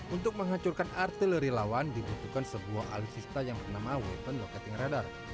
untuk menghancurkan artileri lawan dibutuhkan sebuah alutsista yang bernama weapon locating radar